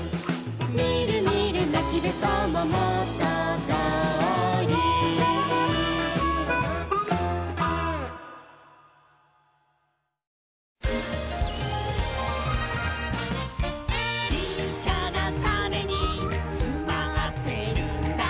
「みるみるなきべそももとどおり」「ちっちゃなタネにつまってるんだ」